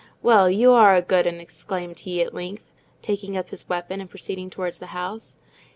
"Well, you are a good 'un!" exclaimed he, at length, taking up his weapon and proceeding towards the house.